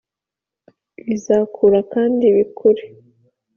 bizakura kandi bikure.